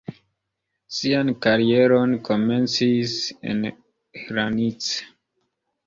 Sian karieron komencis en Hranice.